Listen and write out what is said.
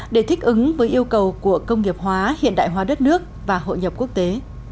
để thích ứng với yêu cầu của công nghiệp hóa hiện đại hóa đất nước và hội nhập quốc tế